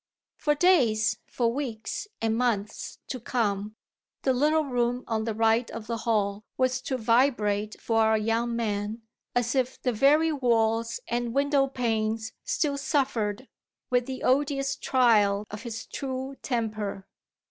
For days, for weeks and months to come, the little room on the right of the hall was to vibrate for our young man, as if the very walls and window panes still suffered, with the odious trial of his true temper.